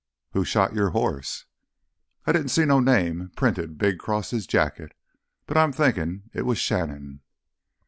"Who shot your horse?" "I didn't see no name printed big 'cross his jacket, but I'm thinkin' it was Shannon."